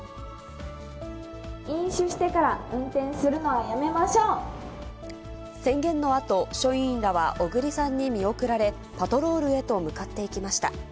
飲酒してから運転するのはや宣言のあと、署員らは小栗さんに見送られ、パトロールへと向かっていきました。